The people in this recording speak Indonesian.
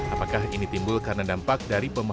apakah ini timbul karena dampak dari pembangunan